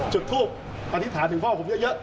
จุดทูปอธิษฐานถึงพ่อผมเยอะ